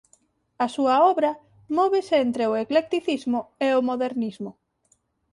A súa obra móvese entre o eclecticismo e o modernismo.